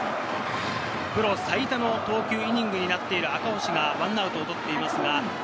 プロ最多の投球イニングになっている赤星が１アウトとっています。